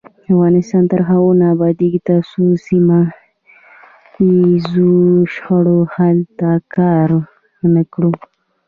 افغانستان تر هغو نه ابادیږي، ترڅو د سیمه ییزو شخړو حل ته کار ونکړو.